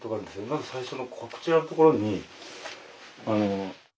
まず最初のこちらのところに。